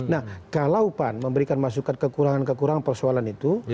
nah kalau pan memberikan masukan kekurangan kekurangan persoalan itu